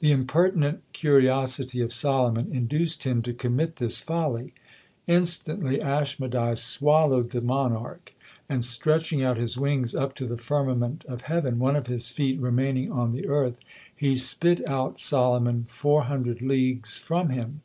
The impertinent curiosity of Solomon induced him to commit this folly. Instantly Aschmedai swallowed the monarch; and stretching out his wings up to the firmament of heaven, one of his feet remaining on the earth, he spit out Solomon four hundred leagues from him.